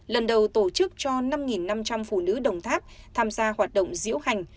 lần đầu tổ chức cho năm năm trăm linh phụ nữ đồng tháp tham gia hoạt động diễu hành